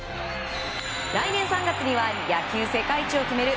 来年３月には野球世界一を決める